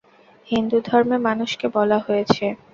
হিন্দু ধর্মে মানুষকে বলা হয়েছে।